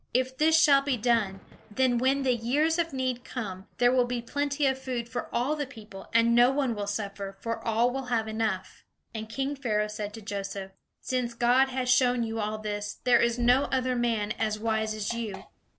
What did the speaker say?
If this shall be done, then when the years of need come, there will be plenty of food for all the people, and no one will suffer, for all will have enough." And king Pharaoh said to Joseph: "Since God has shown you all this, there is no other man as wise as you.